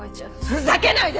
ふざけないで！